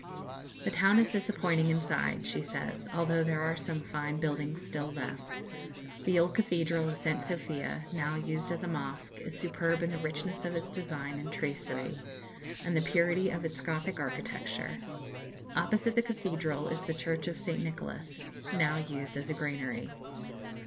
"The town is disappointing inside," she says, "although there are some fine buildings still left. The old cathedral of St. Sophia, now used as a mosque, is superb in the richness of its design and tracery, and the purity of its Gothic architecture. Opposite the cathedral is the Church of St. Nicholas, now used as a granary.